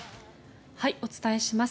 お伝えします。